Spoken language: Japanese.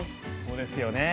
そうですよね。